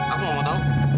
aku nggak mau tahu